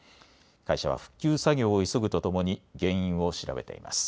会社は復旧作業を急ぐとともに原因を調べています。